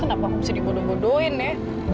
kenapa kok bisa dibodoh bodohin ya